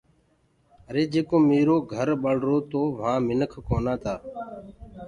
آري جيڪو ميرو گھر ٻݪرو تو وهآ منک ڪونآ تآ